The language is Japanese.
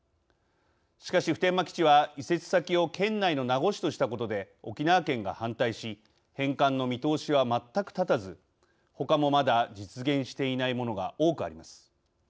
しかし普天間基地は移設先を県内の名護市としたことで沖縄県が反対し返還の見通しは全く立たずほかもまだ実現していないものが多くあります。